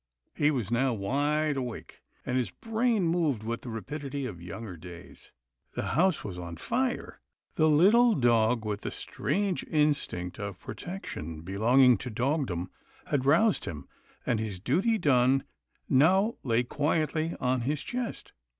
He was now wide awake, and his brain moved with the rapidity of younger days. The house was on fire — the little dog with the strange instinct of protection belonging to dogdom, had roused him, and his duty done, now lay quietly on his chest.